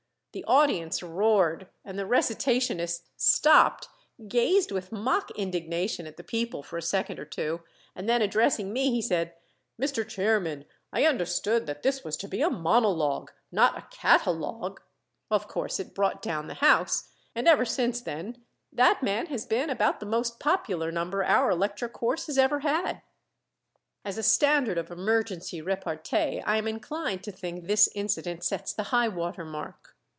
The audience roared and the recitationist stopped, gazed with mock indignation at the people for a second or two, and then addressing me he said, 'Mr. Chairman, I understood that this was to be a monologue not a catalogue.' Of course it brought down the house, and ever since then that man has been about the most popular number our lecture course has ever had." As a standard of emergency repartee I am inclined to think this incident sets the high water mark.